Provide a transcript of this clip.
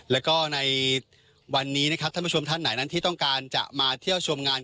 แล้วก็ในวันนี้นะครับท่านผู้ชมท่านไหนนั้นที่ต้องการจะมาเที่ยวชมงาน